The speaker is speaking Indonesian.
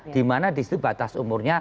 di mana di situ batas umurnya